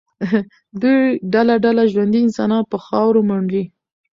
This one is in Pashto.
دوی ډله ډله ژوندي انسانان په خاورو منډي.